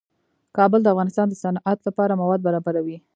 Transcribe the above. کابل د افغانستان د صنعت لپاره مواد برابروي.